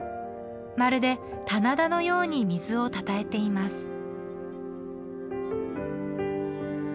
まるで棚田のように水をたたえています。